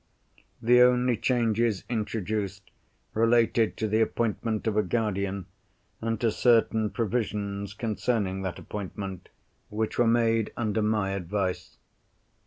The only changes introduced related to the appointment of a guardian, and to certain provisions concerning that appointment, which were made under my advice.